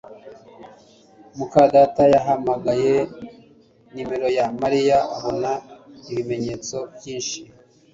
muka data yahamagaye nimero ya Mariya abona ibimenyetso byinshi